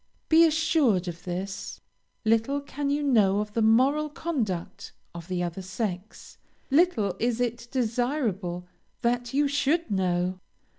Be assured of this little can you know of the moral conduct of the other sex; little is it desirable that you should know.